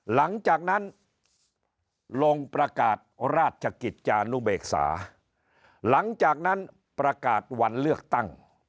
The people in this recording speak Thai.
หลังจากนั้นลงประกาศราชกิจจานุเบกษาหลังจากนั้นประกาศวันเลือกตั้ง